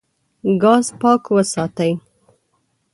ګاز پاک وساتئ.